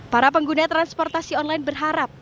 para pengguna transportasi online berharap